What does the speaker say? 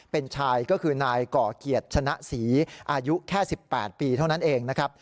เป็นชายก็คือนายก่อเกียรติชนะศรีอายุแค่๑๘ปีเท่านั้นเองนะครับ